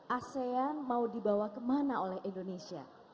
asean mau dibawa kemana oleh indonesia